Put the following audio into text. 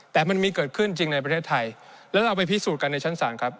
แต่มันมีเกิดขึ้นจริงในประเทศไทยแล้วเราไปพิสูจน์กันในชั้นศาลครับ